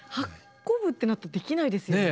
運ぶってなったらできないですよね。